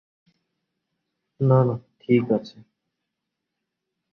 না না ঠিক আছে।